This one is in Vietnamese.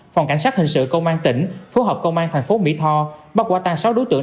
phòng cảnh sát hình sự công an tỉnh phối hợp công an thành phố mỹ tho bắt quả tan sáu đối tượng